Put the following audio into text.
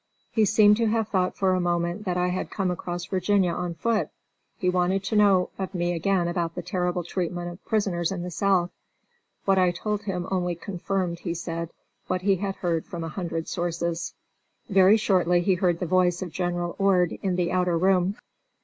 He seemed to have thought for a moment that I had come across Virginia on foot. He wanted to know of me again about the terrible treatment of prisoners in the South. What I told him only "confirmed," he said, what he had heard from a hundred sources. Very shortly he heard the voice of General Ord in the outer room.